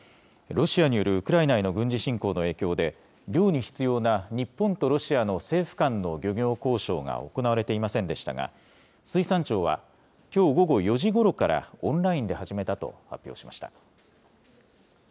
ロシアによるウクライナへの軍事侵攻による影響で漁に必要な日本とロシアの政府間の漁業交渉が行われていませんでしたが、水産庁はきょう午後４時ごろからオンラインで始めたと発表しました。